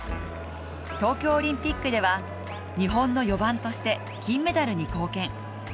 東京オリンピックでは、日本の４番として金メダルに貢献。